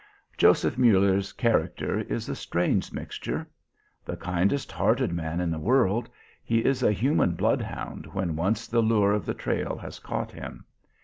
Joseph Muller's character is a strange mixture. The kindest hearted man in the world, he is a human bloodhound when once the lure of the trail has caught him.